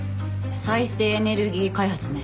再生エネルギー開発ね。